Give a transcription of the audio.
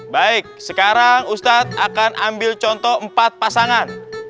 baik sekarang ustadz akan ambil contoh empat pasangan